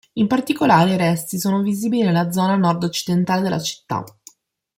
In particolare i resti sono visibili nella zona nord-occidentale della città.